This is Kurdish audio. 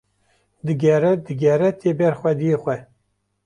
digere digere tê ber xwediyê xwe